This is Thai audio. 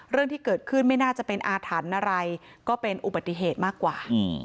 เรื่องที่เกิดขึ้นไม่น่าจะเป็นอาถรรพ์อะไรก็เป็นอุบัติเหตุมากกว่า